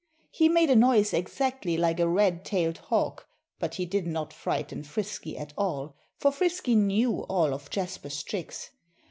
He made a noise exactly like a red tailed hawk; but he did not frighten Frisky at all, for Frisky knew all of Jasper's tricks.